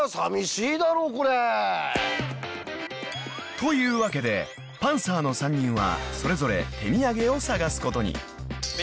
［というわけでパンサーの３人はそれぞれ手みやげを探すことに］